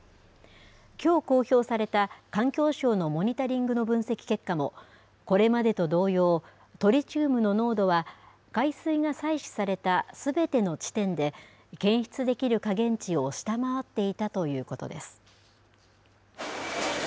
きょう公表された環境省のモニタリングの分析結果も、これまでと同様、トリチウムの濃度は、海水が採取されたすべての地点で、検出できる下限値を下回っていたということです。